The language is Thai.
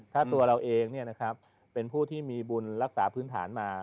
ถ้าตัวเราเองเนี่ยนะครับเป็นผู้ที่มีบุญรักษาพื้นฐานมา